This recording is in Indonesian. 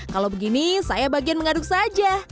kalau begini saya bagian mengaduk saja